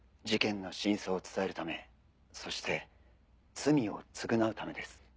事件の真相を伝えるためそして罪を償うためです。